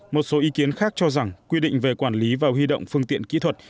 một số ý kiến khác cho rằng quy định về quản lý và huy động phương tiện kỹ thuật